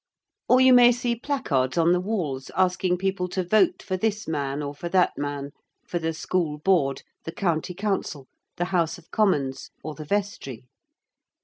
Or you may see placards on the walls asking people to vote for this man, or for that man, for the School Board, the County Council, the House of Commons, or the Vestry.